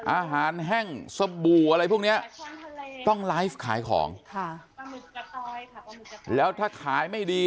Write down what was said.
อาหารแห้งสบู่อะไรพวกเนี้ยต้องไลฟ์ขายของค่ะแล้วถ้าขายไม่ดี